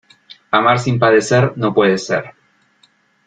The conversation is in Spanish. Amar sin padecer, no puede ser.